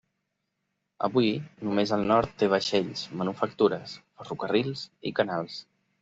Avui, només el Nord té vaixells, manufactures, ferrocarrils i canals.